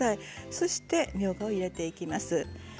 そしてみょうがを入れていきます。